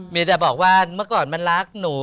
มีแต่บอกว่าเมื่อก่อนมันรักหนู